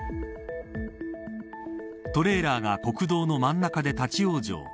トレーラーが国道の真ん中で立ち往生。